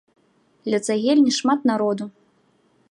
Ля цагельні шмат народу.